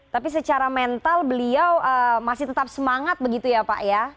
tapi secara mental beliau masih tetap semangat begitu ya pak ya